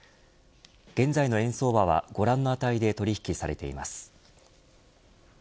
現在の円相場はご覧の値で取引されています。